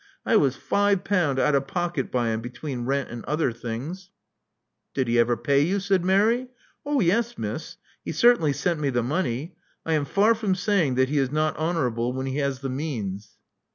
I was five pound out of pocket by him, between rent and other things. Did he ever pay you?*' said Mary. Oh, yes, Miss. He certainly sent me the money. I am far from saying that he is not honorable when he has the means."